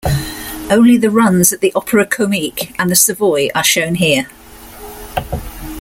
Only the runs at the Opera Comique and the Savoy are shown here.